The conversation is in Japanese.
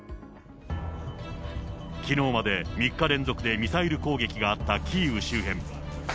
きのうまで３日連続でミサイル攻撃があったキーウ周辺。